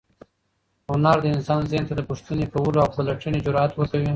هنر د انسان ذهن ته د پوښتنې کولو او پلټنې جرات ورکوي.